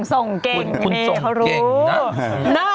สงเก่งเองเขารู้